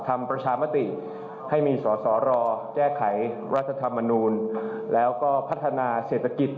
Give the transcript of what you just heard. ทำประชามติให้มีสอสอรอแก้ไขรัฐธรรมนูลแล้วก็พัฒนาเศรษฐกิจ